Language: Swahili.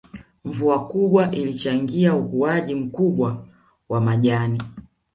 Mvua kubwa ilichangia ukuaji mkubwa wa majani